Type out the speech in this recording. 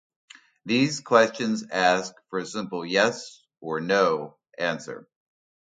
These questions ask for a simple "yes" or "no" answer.